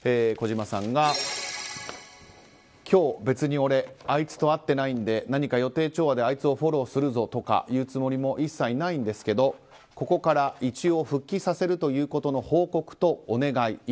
児嶋さんが今日、別に俺あいつと会ってないんで何か予定調和で、あいつをフォローするぞとかいうつもりも一切ないんですけどここから一応、復帰させるということの報告とお願い